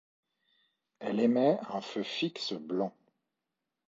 Elle émet un feu fixe blanc.